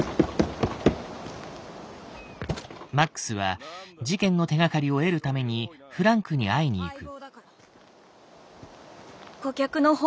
マックスは事件の手がかりを得るためにフランクに会いにいく。